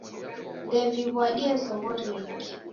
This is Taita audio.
Ndeviw'adie zoghori ingi.